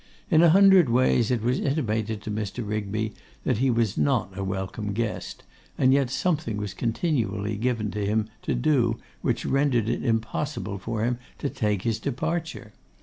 In a hundred ways it was intimated to Mr. Rigby that he was not a welcome guest, and yet something was continually given him to do which rendered it impossible for him to take his departure.